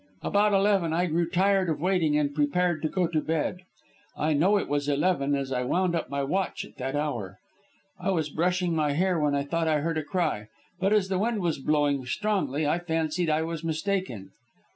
About eleven I grew tired of waiting and prepared to go to bed. I know it was eleven as I wound up my watch at that hour. I was brushing my hair when I thought I heard a cry, but as the wind was blowing strongly I fancied I was mistaken.